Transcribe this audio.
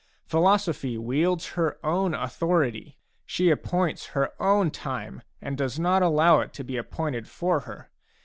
Philosophy wields her own authority ; she appoints her own time and does not allow it to be appointed for her.